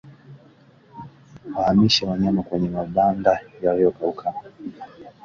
Wahamishe wanyama kwenye mabanda yaliyokauka